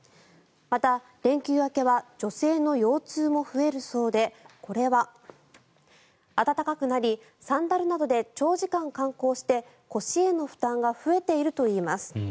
また、連休明けは女性の腰痛も増えるそうでこれは、暖かくなりサンダルなどで長時間観光して、腰への負担が増えているといいます。